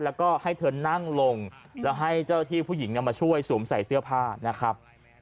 แล้วก็ให้เธอนั่งลงแล้วให้เจ้าที่ผู้หญิงมาช่วยสวมใส่เสื้อผ้านะครับ